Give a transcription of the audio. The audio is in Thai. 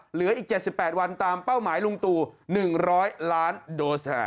เหลืออีก๗๘วันตามเป้าหมายลุงตู่๑๐๐ล้านโดส